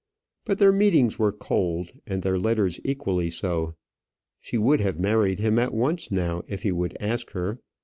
But their meetings were cold, and their letters equally so. She would have married him at once now if he would ask her.